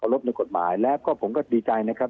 รบในกฎหมายแล้วก็ผมก็ดีใจนะครับ